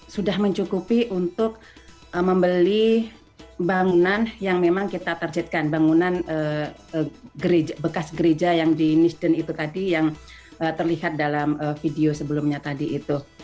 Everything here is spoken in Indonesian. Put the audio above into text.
sudah mencukupi untuk membeli bangunan yang memang kita targetkan bangunan bekas gereja yang di nisden itu tadi yang terlihat dalam video sebelumnya tadi itu